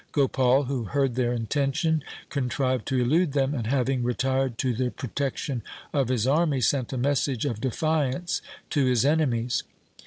Gopal, who heard their intention, contrived to elude them, and having retired to the protection of his army sent a message of defiance to his enemies.